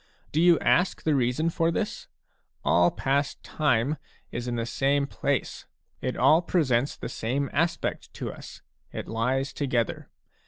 Do you ask the reason for this? All past time is in the same place ; it all presents the same aspect to us, it lies together.